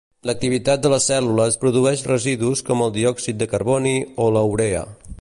L'activitat de les cèl·lules produeix residus com el diòxid de carboni o la urea.